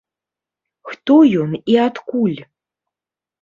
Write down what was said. Хто ён і адкуль?